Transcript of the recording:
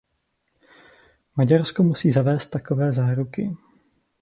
Maďarsko musí zavést takové záruky.